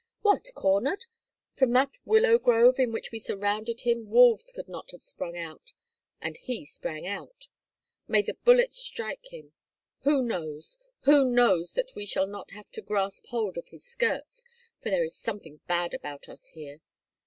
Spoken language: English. "What, cornered! From that willow grove in which we surrounded him wolves could not have sprung out, and he sprang out. May the bullets strike him! Who knows, who knows that we shall not have to grasp hold of his skirts, for there is something bad about us here.